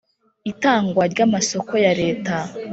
itangwa ry amasoko ya Leta.